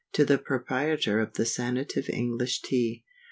_To the Proprietor of the Sanative English Tea.